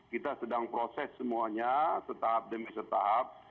kita sedang proses semuanya setahap demi setahap